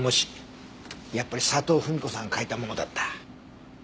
やっぱり佐藤ふみ子さんが書いたものだった。